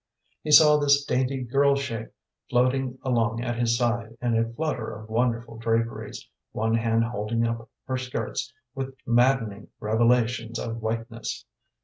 He saw this dainty girl shape floating along at his side in a flutter of wonderful draperies, one hand holding up her skirts with maddening revelations of whiteness.